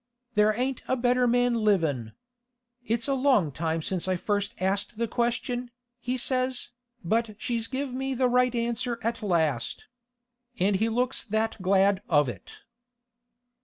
There ain't a better man livin'! "It's a long time since I first asked the question," he says, "but she's give me the right answer at last." And he looks that glad of it.